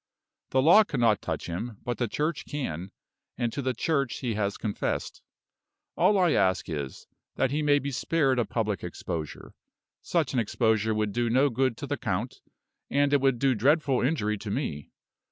The law cannot touch him, but the Church can and to the Church he has confessed. All I ask is, that he may be spared a public exposure. Such an exposure would do no good to the count, and it would do dreadful injury to me.